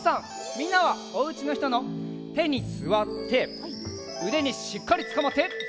みんなはおうちのひとのてにすわってうでにしっかりつかまって！